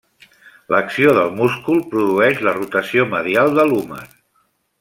L'acció del múscul produeix la rotació medial de l'húmer.